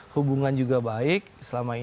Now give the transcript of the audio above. hubungan juga baik selama ini